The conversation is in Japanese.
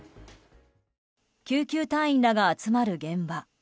救急隊員らが集まる現場。